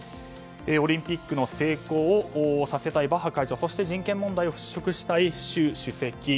オリンピックを成功させたいバッハ会長そして人権問題を払拭したい習主席